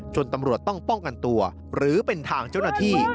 ตำรวจต้องป้องกันตัวหรือเป็นทางเจ้าหน้าที่